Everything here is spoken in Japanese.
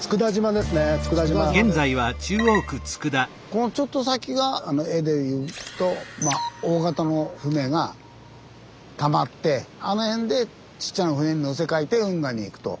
このちょっと先があの絵でいうと大型の船がたまってあの辺でちっちゃな船に載せ替えて運河に行くと。